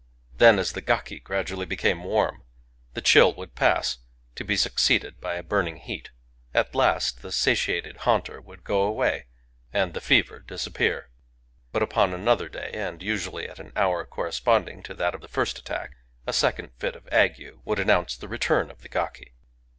Then, as the gaki gradually became warm, the chill would pass, to be succeeded by a burning heat. At last the satiated haunter would go away, and the Digitized by Googk GAKI 189 fever disappear ; but upon another day, and usually at an hour corresponding to that of the first attack, a second fit of ague would announce the return of the gaki.